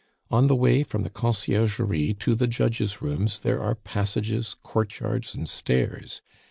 On the way from the Conciergerie to the judges' rooms there are passages, courtyards, and stairs.